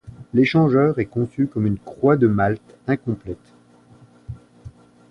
L'échangeur est conçu comme une croix de Malte incomplète.